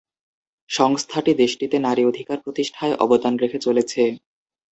সংস্থাটি দেশটিতে নারী অধিকার প্রতিষ্ঠায় অবদান রেখে চলেছে।